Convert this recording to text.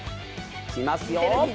来ますよ。